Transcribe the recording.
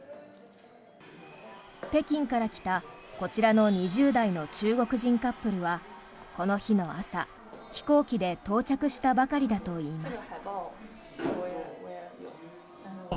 北京から来た、こちらの２０代の中国人カップルはこの日の朝、飛行機で到着したばかりだと言います。